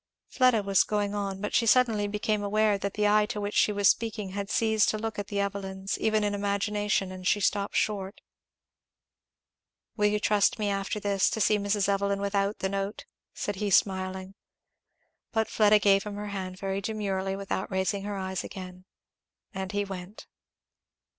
Fleda was going on, but she suddenly became aware that the eye to which she was speaking had ceased to look at the Evelyns, even in imagination, and she stopped short. "Will you trust me, after this, to see Mrs. Evelyn without the note?" said he smiling. But Fleda gave him her hand very demurely without raising her eyes again, and he went.